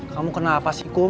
kamu kenapa sih kum